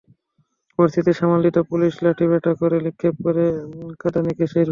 পরিস্থিতি সামাল দিতে পুলিশ লাঠিপেটা করে, নিক্ষেপ করে কাঁদানে গ্যাসের শেল।